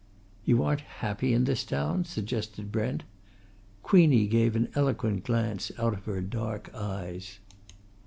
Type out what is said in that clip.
"You aren't happy in this town?" suggested Brent. Queenie gave an eloquent glance out of her dark eyes.